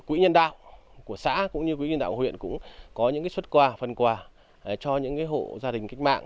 quỹ nhân đạo của xã cũng như quỹ nhân đạo của huyện cũng có những suất quà phần quà cho những hộ gia đình kích mạng